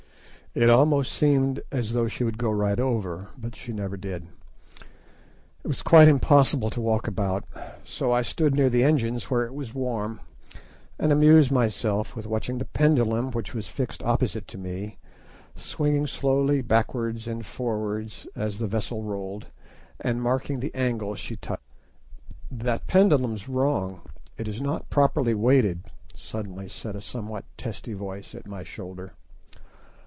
It almost seemed as though she would go right over, but she never did. It was quite impossible to walk about, so I stood near the engines where it was warm, and amused myself with watching the pendulum, which was fixed opposite to me, swinging slowly backwards and forwards as the vessel rolled, and marking the angle she touched at each lurch. "That pendulum's wrong; it is not properly weighted," suddenly said a somewhat testy voice at my shoulder.